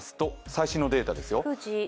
最新のデータですよ。